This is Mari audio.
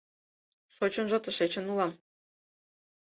Шочынжо тышечын улам.